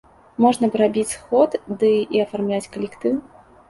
Можна б рабіць сход ды і афармляць калектыў.